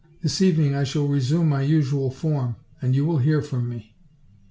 This evening I shall resume my usual form, and you will hear from me."